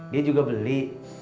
dia juga beli